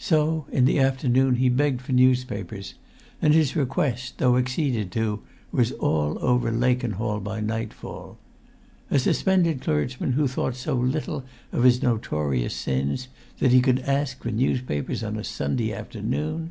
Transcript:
So in the afternoon he begged for newspapers, and his request, though acceded to, was all over Lakenhall by nightfall. A suspended clergyman who thought so little of his notorious sins that he could ask for newspapers on a Sunday afternoon!